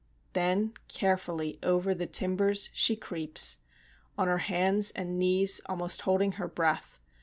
Then carefully over the timbers she creeps On her hands and knees, almost holding her breath.